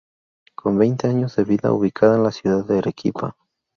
Con veinte años de vida, ubicada en la ciudad de Arequipa.